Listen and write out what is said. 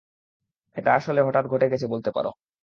এটা আসলে হঠাত ঘটে গেছে বলতে পারো!